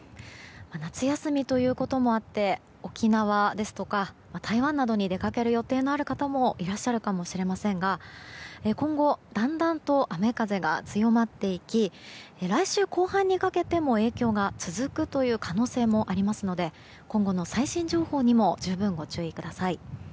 夏休みということもあって沖縄や台湾などに出かける予定のある方もいらっしゃるかもしれませんが今後、だんだんと雨風が強まっていき来週後半にかけても影響が続くという可能性もありますので今後の最新情報にも十分ご注意ください。